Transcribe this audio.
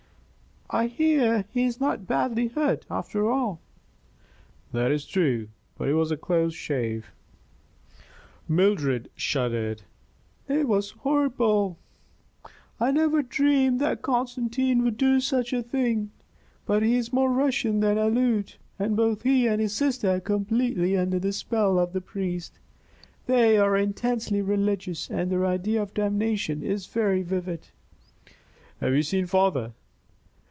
"I hear he is not badly hurt, after all." "That is true. But it was a close shave." Mildred shuddered. "It was horrible!" "I never dreamed that Constantine would do such a thing, but he is more Russian than Aleut, and both he and his sister are completely under the spell of the priest. They are intensely religious, and their idea of damnation is very vivid." "Have you seen father?"